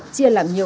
chia làm nhiều